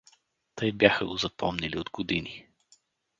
Тъй бяха го запомнили от години.